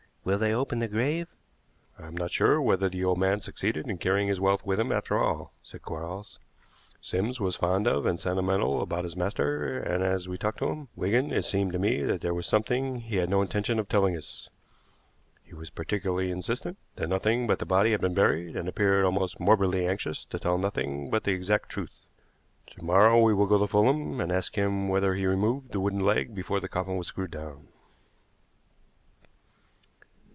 "Will they open the grave?" "I am not sure whether the old man succeeded in carrying his wealth with him after all," said Quarles. "Sims was fond of and sentimental about his master, and as we talked to him, Wigan, it seemed to me there was something he had no intention of telling us. He was particularly insistent that nothing but the body had been buried, and appeared almost morbidly anxious to tell nothing but the exact truth. To morrow we will go to Fulham and ask him whether he removed the wooden leg before the coffin was screwed down."